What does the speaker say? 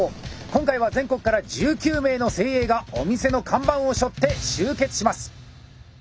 今回は全国から１９名の精鋭がお店の看板をしょって集結します！